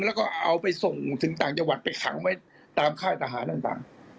แล้วก็เอาไปส่งถึงต่างจังหวัดไปขังไว้ตามค่ายทหารต่าง